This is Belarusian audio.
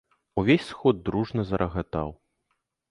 Увесь сход дружна зарагатаў.